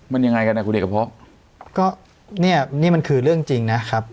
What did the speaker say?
มันยังไงกันอ่ะคุณเอกพบก็เนี่ยนี่มันคือเรื่องจริงนะครับ